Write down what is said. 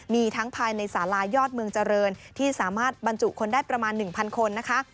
มีทั้งภายในสาลายอดเมืองเจริญที่สามารถบรรจุคนได้ประมาณ๑๐๐คนนะคะ